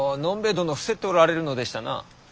殿伏せっておられるのでしたな。